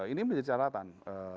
ini menjadi catatan